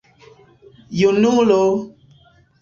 Junulo!